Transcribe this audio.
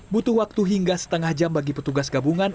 butuh waktu hingga setengah jam bagi petugas gabungan